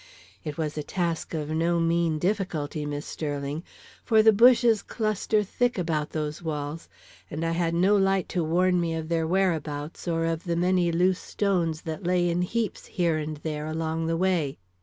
It was a task of no mean difficulty, Miss Sterling, for the bushes cluster thick about those walls, and I had no light to warn me of their whereabouts or of the many loose stones that lay in heaps here and there along the way.